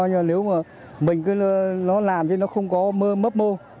nếu mà mình cứ nó làn thì nó không có mớp mô